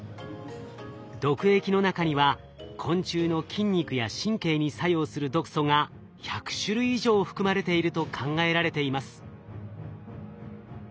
毒液の中には昆虫の筋肉や神経に作用する毒素が１００種類以上含まれていると考えられています。